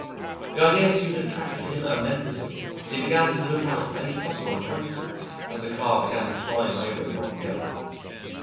The idea soon attracted him immensely and he began to look out for any possible acquaintance as the car began to climb over Nob Hill.